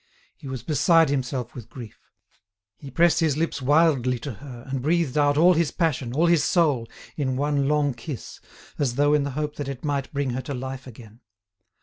He was beside himself with grief. He pressed his lips wildly to her, and breathed out all his passion, all his soul, in one long kiss, as though in the hope that it might bring her to life again.